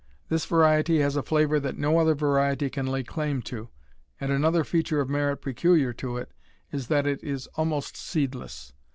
This variety has a flavor that no other variety can lay claim to, and another feature of merit peculiar to it is that it is almost seedless.